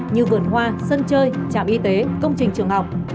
như vườn hoa sân chơi trạm y tế công trình trường học